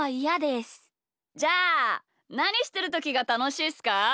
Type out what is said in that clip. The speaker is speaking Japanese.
じゃあなにしてるときがたのしいっすか？